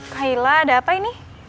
kaila ada apa ini